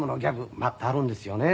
待ってはるんですよね。